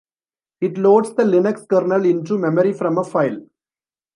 It loads the Linux kernel into memory from a file.